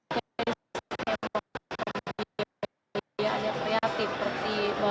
kemungkinan yang kreatif seperti